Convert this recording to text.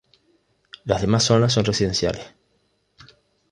Las demás zonas son residenciales.